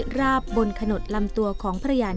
พระพุทธปฏิมาปางสมาธิ